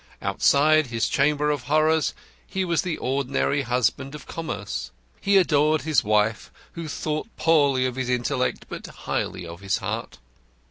Outside his chamber of horrors he was the ordinary husband of commerce. He adored his wife, who thought poorly of his intellect but highly of his heart.